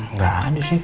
gak ada sih